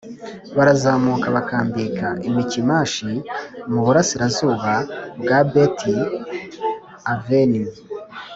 barazamuka bakambika i mikimashi mu burasirazuba bwa beti aveni